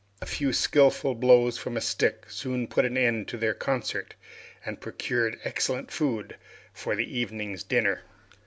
A few skillful blows from a stick soon put an end to their concert, and procured excellent food for the evening's dinner.